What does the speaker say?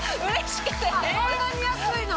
こんなに安いの？